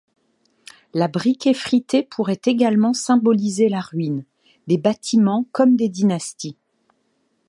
La brique effritée pourrait également symboliser la ruine, des bâtiments comme des dynasties.